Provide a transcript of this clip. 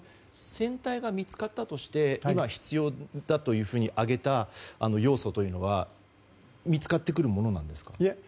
船体が見つかったとして今、必要だと挙げた要素というのは見つかってくるものなんですか。